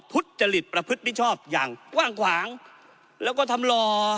ทุจริตประพฤติมิชชอบอย่างกว้างขวางแล้วก็ทำรอ